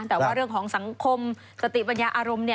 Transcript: แต่ว่าเรื่องของสังคมสติปัญญาอารมณ์